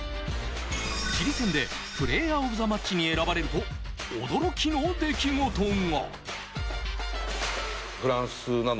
チリ戦でプレーヤーオブザマッチに選ばれると、驚きの出来事が。